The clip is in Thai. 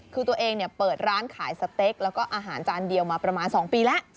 คือตัวเองเปิดร้านขายสเต็กแล้วก็อาหารจานเดียวมาประมาณ๒ปีแล้ว